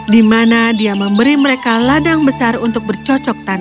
di mana dia memberi mereka ladang besar untuk bercocok tanaman